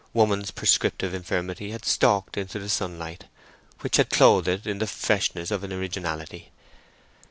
Woman's prescriptive infirmity had stalked into the sunlight, which had clothed it in the freshness of an originality.